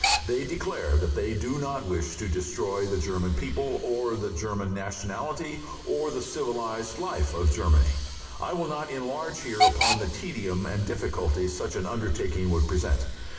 They declare that they do not wish to destroy the German people or the German nationality or the civilized life of Germany. I will not enlarge here upon the tedium and difficulties such an undertaking would present.